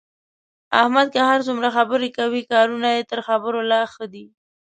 احمد که څومره خبرې کوي، کارونه یې تر خبرو لا ښه دي.